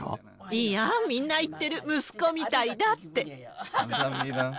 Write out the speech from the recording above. いや、みんな言ってる、息子みたいだって。